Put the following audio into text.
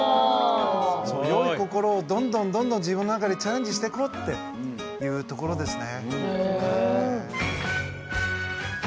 良い心をどんどんどんどん自分の中でチャレンジしていこうっていうところですね。